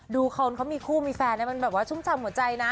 ดูเค้ามีคู่มีแฟนอ่ะมันชุ่มชำหัวใจนะ